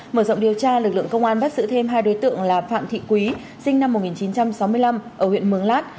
mở rộng điều tra lực lượng công an bắt giữ thêm hai đối tượng là phạm thị quý sinh năm một nghìn chín trăm sáu mươi năm ở huyện mường lát